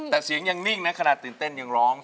แต่เสียงยังนิ่งนะขนาดตื่นเต้นยังร้อง